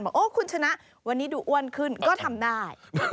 โอ้คุณชนะวันนี้ดูอ้วนขึ้นก็ทำได้